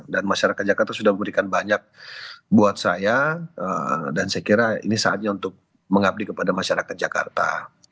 dan masyarakat jakarta sudah memberikan banyak buat saya dan saya kira ini saatnya untuk mengabdi kepada masyarakat jakarta